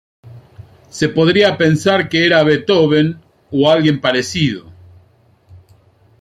Se podría pensar que era Beethoven o alguien parecido!".